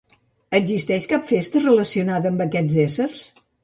Existeix cap festa relacionada amb aquests éssers?